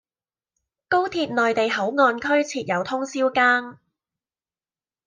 高鐵內地口岸區設有通宵更